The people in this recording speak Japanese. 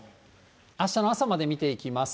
あしたの朝まで見ていきます。